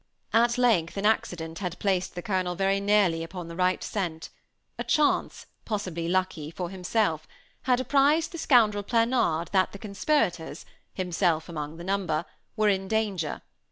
At length an accident had placed the Colonel very nearly upon the right scent; a chance, possibly lucky, for himself, had apprised the scoundrel Planard that the conspirators himself among the number were in danger.